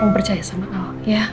kamu percaya sama al ya